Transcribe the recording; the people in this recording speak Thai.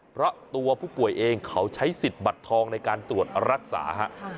เพราะตัวผู้ป่วยเองเขาใช้สิทธิ์บัตรทองในการตรวจรักษาฮะ